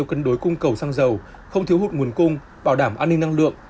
không thiếu hụt nguồn cung bảo đảm an ninh năng lượng